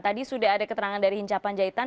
tadi sudah ada keterangan dari hincapan jahitan